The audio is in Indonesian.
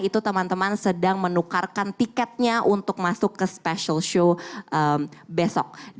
itu teman teman sedang menukarkan tiketnya untuk masuk ke special show besok